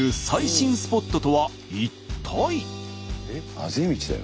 あぜ道だよ？